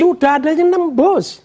sudah ada yang nembus